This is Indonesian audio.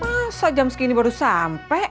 masa jam segini baru sampai